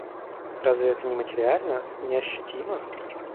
Разве это не материально, не ощутимо?